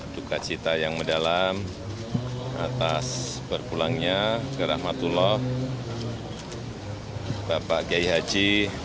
duka cita yang mendalam atas berpulangnya ke rahmatullah bapak kiai haji